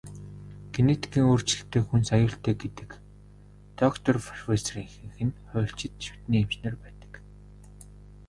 Генетикийн өөрчлөлттэй хүнс аюултай гэдэг доктор, профессорын ихэнх нь хуульчид, шүдний эмч нар байдаг.